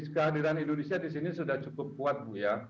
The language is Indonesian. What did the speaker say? kehadiran indonesia di sini sudah cukup kuat bu ya